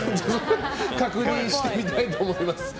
確認してみたいと思います。